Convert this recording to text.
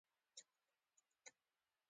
نن پر ما ډېر ناوخته شو